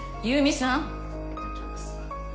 優美さん。